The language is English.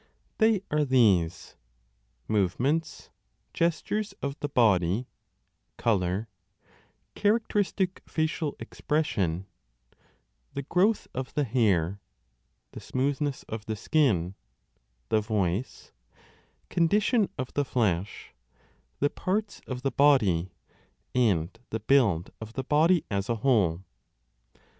They are these : movements, gestures of the body, colour, charac 30 tcristic facial expression, the growth of the hair, the smooth ness of the skin, the voice, condition of the flesh, the parts of the body, and the build of the body as a whole.